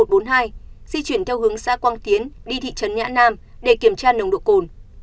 di chuyển theo hướng xã quang tiến đi thị trấn nhã nam để kiểm tra nồng độ cồn